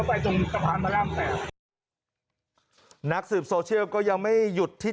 ไปตรงสะพานพระรามแปดนักสืบโซเชียลก็ยังไม่หยุดที่